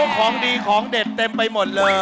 ของดีของเด็ดเต็มไปหมดเลย